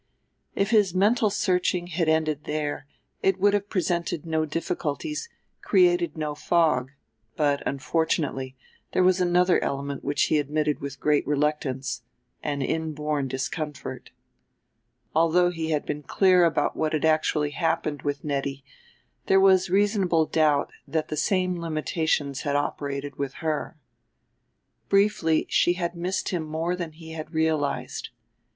If his mental searching had ended there it would have presented no difficulties, created no fog; but, unfortunately, there was another element which he admitted with great reluctance, an inborn discomfort. Although he had been clear about what had actually happened with Nettie there was reasonable doubt that the same limitations had operated with her. Briefly she had missed him more than he had realized.